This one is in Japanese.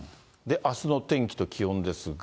あすの天気と気温ですが。